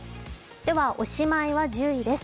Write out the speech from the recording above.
おしまいは１０位です。